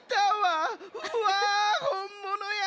わあほんものや！